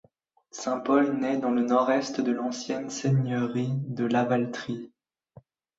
Saint-Paul naît dans le nord-est de l’ancienne Seigneurie de Lavaltrie.